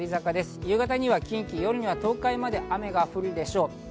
夕方には近畿、夜は東海まで雨が降るでしょう。